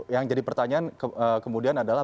yang jadi pertanyaan kemudian adalah